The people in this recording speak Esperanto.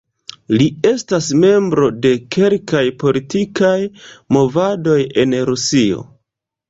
Li estas membro de kelkaj politikaj movadoj en Rusio.